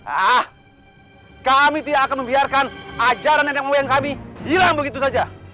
ah kami tidak akan membiarkan ajaran nenek moyang kami hilang begitu saja